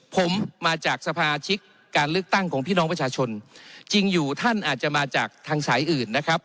ผมมาจากสมาชิกการเลือกตั้งของพี่น้องประชาชนจริงอยู่ท่านอาจจะมาจากทางสายอื่นนะครับ